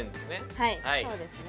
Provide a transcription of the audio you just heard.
はいそうですね。